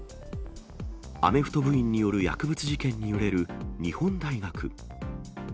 アメフト部員による薬物事件に揺れる日本大学。